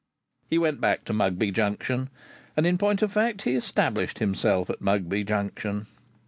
He went back to Mugby Junction, and in point of fact he established himself at Mugby Junction.